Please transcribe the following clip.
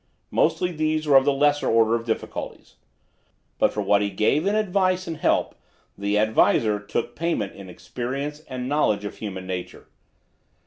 Mostly these were of the lesser order of difficulties; but for what he gave in advice and help the Ad Visor took payment in experience and knowledge of human nature.